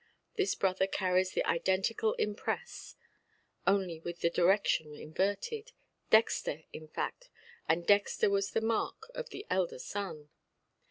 His brother carries the identical impress, only with the direction inverted—dexter in fact, and dexter was the mark of the elder son.